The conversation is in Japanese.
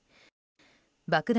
爆弾